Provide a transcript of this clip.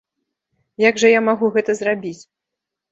Як жа я магу гэта зрабіць?